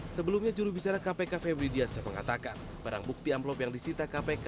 sebelumnya jurubicara kpk febridian sepengatakan barang bukti amplop yang disita kpk